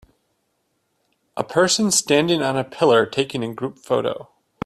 A person standing on a pillar taking a group photo